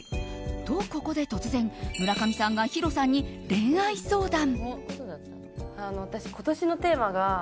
と、ここで突然村上さんが、ヒロさんに恋愛相談。